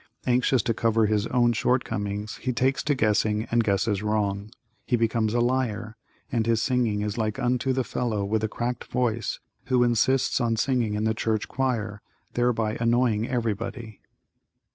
Anxious to cover his own shortcomings, he takes to guessing and guesses wrong. He becomes a liar, and his singing is like unto the fellow with a cracked voice who insists on singing in the church choir, thereby annoying everybody.